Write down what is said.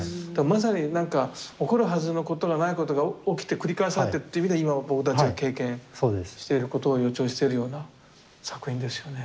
まさに何か起こるはずのないことが起きて繰り返されてっていう意味では今僕たちが経験していることを予兆してるような作品ですよね。